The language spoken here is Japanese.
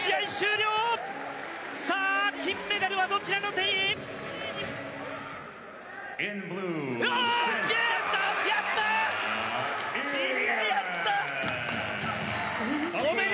さあ、金メダルはどちらの手に。